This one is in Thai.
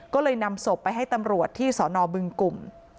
ก็เลยนำศพไปให้ตำรวจที่สนบึงกลุ่ม